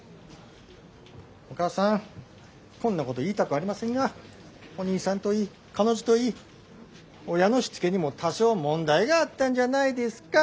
お母さんこんなこと言いたくありませんがお兄さんといい彼女といい親のしつけにも多少問題があったんじゃないですか。